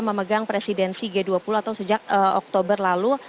memegang presidensi g dua puluh atau sejak oktober lalu